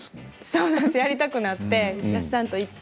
そうです、やりたくなってやっさんと行って。